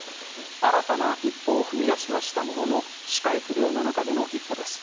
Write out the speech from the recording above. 新たな一歩を踏み出しはしたものの視界不良の中での一歩です。